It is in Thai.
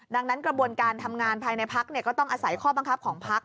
ดังนั้นกระบวนการทำงานภายในพักก็ต้องอาศัยข้อบังคับของพัก